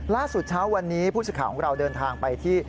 ล่าสุดเช้าวันนี้ผู้สื่อข่าวของเราเดินทางไปที่